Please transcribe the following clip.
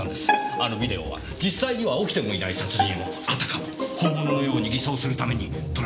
あのビデオは実際には起きてもいない殺人をあたかも本物のように偽装するために撮られたものだったんです。